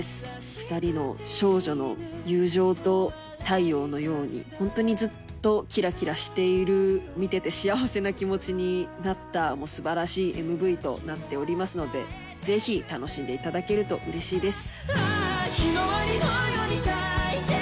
２人の少女の友情と、太陽のように、本当にずっときらきらしている、見ていて幸せな気持ちになった、もうすばらしいＭＶとなっておりますので、ぜひ楽しんでいただけるとうれしいです。